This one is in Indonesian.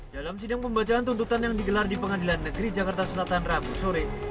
dalam sidang pembacaan tuntutan yang digelar di pengadilan negeri jakarta selatan rabu sore